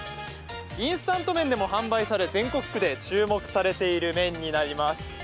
インスタント麺でも販売され、全国区でも注目されている麺になります。